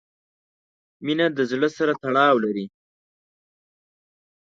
• مینه د زړۀ سره تړاو لري.